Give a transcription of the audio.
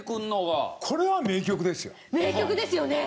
名曲ですよね。